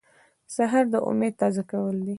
سهار د امید تازه کول دي.